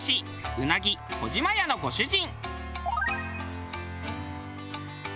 うなぎ小島屋のご主人。